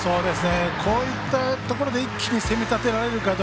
こういったところで一気に攻め立てられるか。